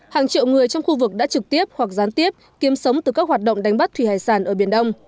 hàng triệu người trong khu vực đã trực tiếp hoặc gián tiếp kiếm sống từ các hoạt động đánh bắt thủy hải sản ở biển đông